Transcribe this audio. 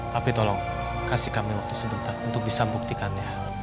tapi tolong kasih kami waktu sebentar untuk bisa membuktikannya